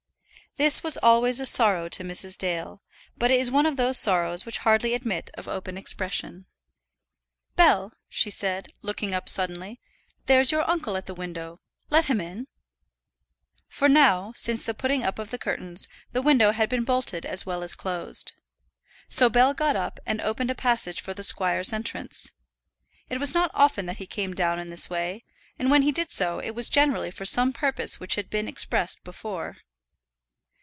This was always a sorrow to Mrs. Dale; but it is one of those sorrows which hardly admit of open expression. "Bell," she said, looking up suddenly; "there's your uncle at the window. Let him in." For now, since the putting up of the curtains, the window had been bolted as well as closed. So Bell got up, and opened a passage for the squire's entrance. It was not often that he came down in this way, and when he did do so it was generally for some purpose which had been expressed before.